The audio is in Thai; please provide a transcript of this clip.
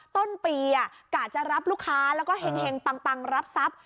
ต้นปีอ่ะกล่าจะรับลูกค้าแล้วก็แห่งแห่งปังปังรับทรัพย์